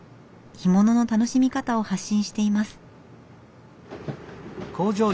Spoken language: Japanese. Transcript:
干物の楽しみ方を発信しています。